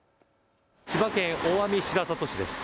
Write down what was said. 千葉県大網白里市です。